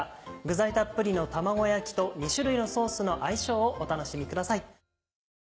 具材たっぷりの卵焼きと２種類のソースの相性をお楽しみください。